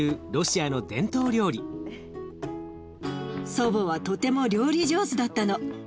祖母はとても料理上手だったの。